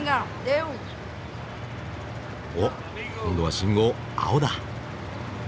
おっ今度は信号青だ。